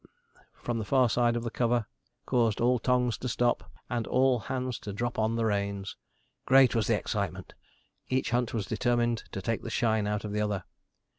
from the far side of the cover caused all tongues to stop, and all hands to drop on the reins. Great was the excitement! Each hunt was determined to take the shine out of the other.